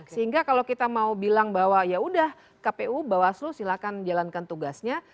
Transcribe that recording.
sehingga kalau kita mau bilang bahwa ya udah kpu bawaslu silahkan jalankan tugasnya